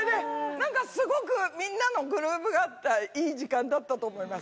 なんか、すごく皆さんのグルーブがあった、いい時間だったと思います。